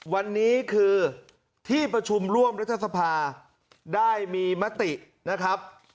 วันนี้คือที่ประชุมร่วมรัฐสภาได้มีมตินะครับ